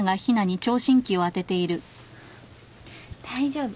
大丈夫。